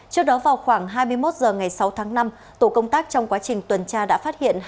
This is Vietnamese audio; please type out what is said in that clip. trước đó vào khoảng hai mươi một h ngày sáu tháng năm tổ công tác trong quá trình tuần tra đã phát hiện